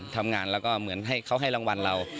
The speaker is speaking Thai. ทำงานแล้วก็เหมือนให้เขาให้รางวัลเรา